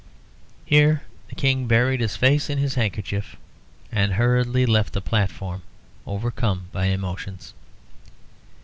Here the King buried his face in his handkerchief and hurriedly left the platform, overcome by emotions.